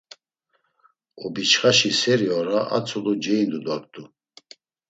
Obişxaşi seri ora a tzulu ceindu dort̆u.